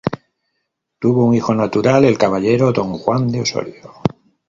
Tuvo un hijo natural, el caballero don Juan de Osorio.